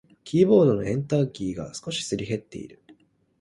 キーボードのエンターキーだけが少しすり減っている。